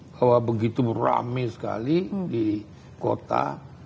bahwa begitu rame sekali di kota